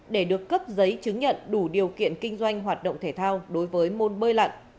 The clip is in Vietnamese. để được cấp giấy chứng nhận đủ điều kiện kinh doanh hoạt động thể thao đối với môn bơi lặn